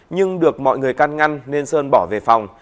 nhưng được mọi người căn ngăn nên sơn bỏ về phòng